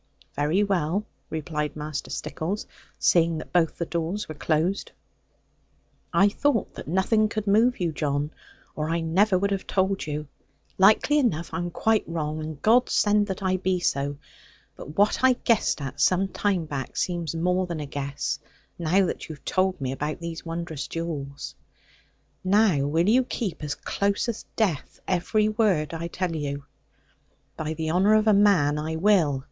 'Very well,' replied Master Stickles, seeing that both the doors were closed; 'I thought that nothing could move you, John; or I never would have told you. Likely enough I am quite wrong; and God send that I be so. But what I guessed at some time back seems more than a guess, now that you have told me about these wondrous jewels. Now will you keep, as close as death, every word I tell you?' 'By the honour of a man, I will.